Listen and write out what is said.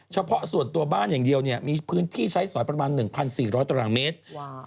เฉพาะส่วนตัวบ้านอย่างเดียวมีพื้นที่ใช้สอยประมาณ๑๔๐๐ตารางเมตร